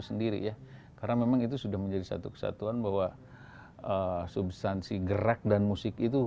sendiri ya karena memang itu sudah menjadi satu kesatuan bahwa substansi gerak dan musik itu